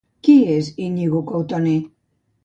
Qui és Íñigo Cotoner?